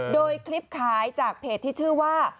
โดยคลิปขายจากเพจที่ชื่อว่า